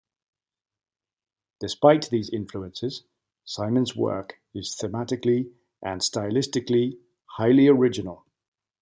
Despite these influences, Simon's work is thematically and stylistically highly original.